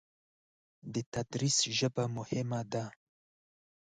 د تدریس ژبه مهمه ده.